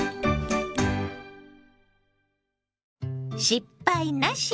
「失敗なし！